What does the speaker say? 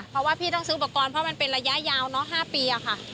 เพราะว่าพี่ต้องซื้ออุปกรณ์เพราะมันเป็นระยะยาวเนอะ๕ปีค่ะ